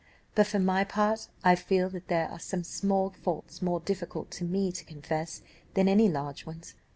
But, for my part, I feel that there are some small faults more difficult to me to confess than any large ones.